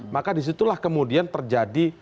maka disitulah kemudian terjadi